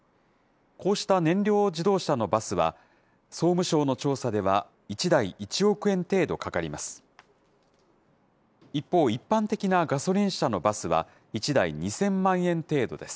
こうした燃料自動車のバスは、総務省の調査では１台１億円程度かかります。